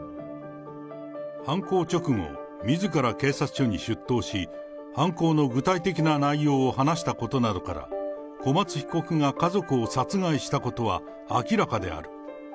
犯行直後、みずから警察署に出頭し、犯行の具体的な内容を話したことなどから、小松被告が家族を殺害したことは明らかである。